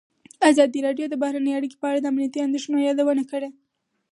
ازادي راډیو د بهرنۍ اړیکې په اړه د امنیتي اندېښنو یادونه کړې.